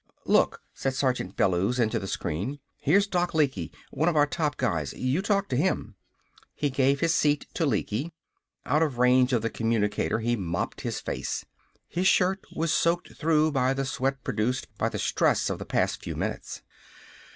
"Look!" said Sergeant Bellews into the screen. "Here's Doc Lecky one of our top guys. You talk to him." He gave his seat to Lecky. Out of range of the communicator, he mopped his face. His shirt was soaked through by the sweat produced by the stress of the past few minutes.